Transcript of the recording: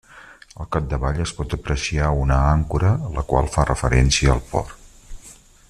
Al capdavall es pot apreciar una àncora, la qual fa referència al port.